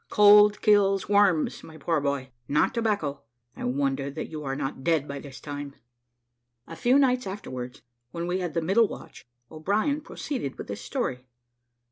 Cold kills worms, my poor boy, not tobacco I wonder that you are not dead by this time." A few nights afterwards, when we had the middle watch, O'Brien proceeded with his story.